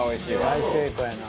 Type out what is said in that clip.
「大成功やな」